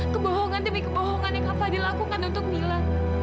kebohongan demi kebohongan yang kak fadil lakukan untuk mila